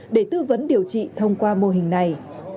để tư vấn điều trị thông qua mô hình này